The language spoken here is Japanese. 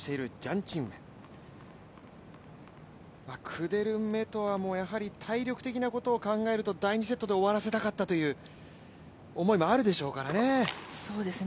クデルメトワも体力的なことを考えると第２セットで終わらせたかったという思いもあるでしょうね。